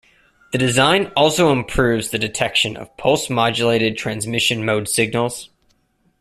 The design also improves the detection of pulse-modulated transmission mode signals.